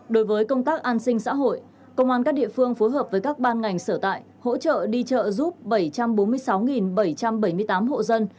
đối với công tác an sinh xã hội công an các địa phương phối hợp với các ban ngành sở tại hỗ trợ đi chợ giúp bảy trăm bốn mươi sáu bảy trăm bảy mươi tám hộ dân